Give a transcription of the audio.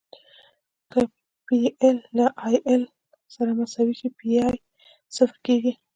که پی ایل له ایل ایل سره مساوي شي پی ای صفر کیږي